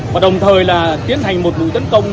và đồng thời là tiến hành một vụ tấn công